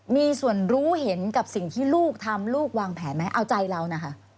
มีส่วนรู้เห็นกับสิ่งที่ลูกทำลูกวางแผนไหมเอาใจเรานะคะ